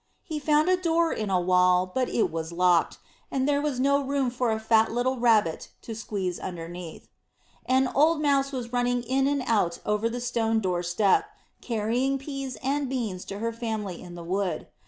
He found a door in a wall; but it was locked, and there was no room for a fat little Rabbit to squeeze underneath. An old Mouse was running in and out over the stone door step, carrying peas and beans to her family in the wood.